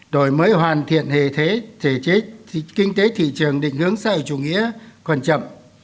đổi mới hoàn thiện thể thế thể chế thì kinh tế thị trường định hướng xã hội chủ nghĩa còn chậm